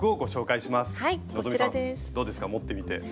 どうですか持ってみて？